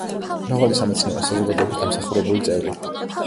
მრავალი სამეცნიერო საზოგადოების დამსახურებული წევრი.